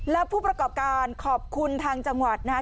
และผู้ประกอบการขอบคุณทางจังหวัดนะครับ